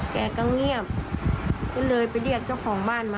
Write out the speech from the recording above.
แกก็เงียบก็เลยไปเรียกเจ้าของบ้านมา